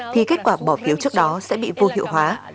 thì kết quả bỏ phiếu trước đó sẽ bị vô hiệu hóa